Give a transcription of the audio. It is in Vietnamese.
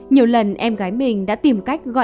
nhiều lần em gái mình đã tìm cách